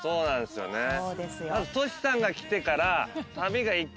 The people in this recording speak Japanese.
まずトシさんが来てから。